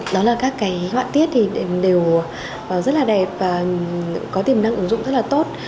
đó là các hoạn tiết đều rất đẹp và có tiềm năng ứng dụng rất tốt